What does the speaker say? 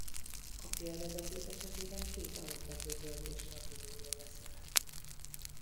A félvezetők esetében két alapvető töltéshordozóról beszélhetünk.